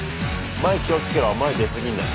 前気をつけろ前出過ぎんなよ。